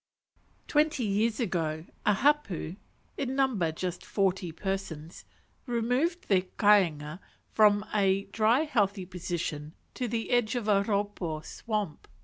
Twenty years ago a hapu, in number just forty persons, removed their kainga from a dry healthy position to the edge of a raupo swamp.